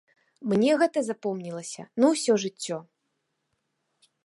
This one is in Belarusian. Мне гэта запомнілася на ўсё жыццё.